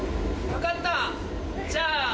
分かった。